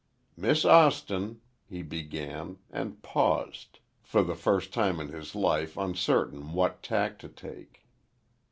"Miss Austin," he began, and paused, for the first time in his life uncertain what tack to take.